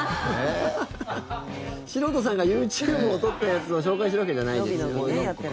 素人さんがＹｏｕＴｕｂｅを撮ったやつを紹介してるわけじゃないですよね？